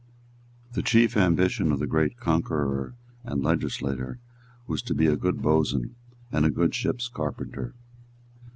The chief ambition of the great conqueror and legislator was to be a good boatswain and a good ship's carpenter.